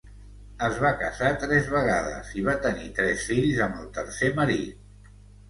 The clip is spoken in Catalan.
Es va casar tres vegades i va tenir tres fills amb el tercer marit.